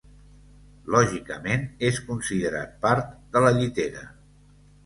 Lògicament, és considerat part de la Llitera.